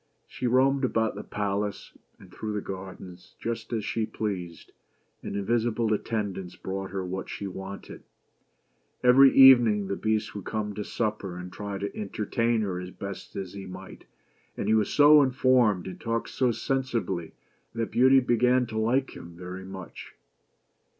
She roamed about the palace, and through the gardens, just as she pleased, and invisible attendants brought her what she wanted. Every evening the Beast would come to supper, and try to entertain her as best he might ; and he was so well informed, and talked so sensibly, that Beauty began to like him very much.